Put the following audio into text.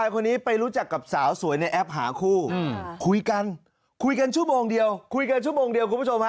ขอเงินช่วยทำศพหน่อยดิ